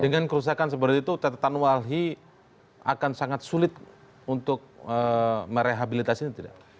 dengan kerusakan seperti itu tetetan walhi akan sangat sulit untuk merehabilitasinya tidak